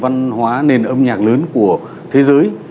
đó là một cái nền văn hóa nền âm nhạc lớn của thế giới